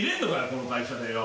この会社でよ。